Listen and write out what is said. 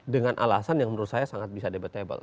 dengan alasan yang menurut saya sangat bisa debatable